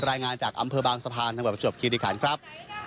รายงานจากอำเภอบางสะพานถ้าเจอบคีย์ดิขันต์ครับ